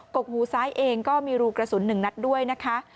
กกหูซ้ายเองก็มีรูกระสุน๑นัดด้วยนะคะ